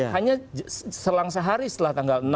hanya selang sehari setelah tanggal ini ya